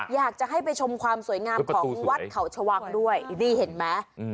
อยากจะให้ไปชมความสวยงามของวัดเขาชวังด้วยนี่เห็นไหม